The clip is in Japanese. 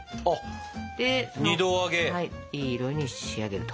いい色に仕上げると。